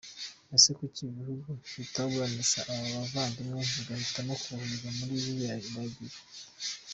Ese kuki ibi bihugu bitaburanisha aba bavandimwe bigahitamo kubohereza muri ririya bagiro?